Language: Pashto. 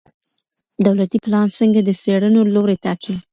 دولتي پلان څنګه د څېړنو لوری ټاکي؟